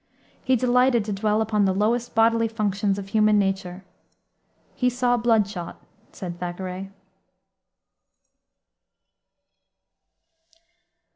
He delighted to dwell upon the lowest bodily functions of human nature. "He saw bloodshot," said Thackeray.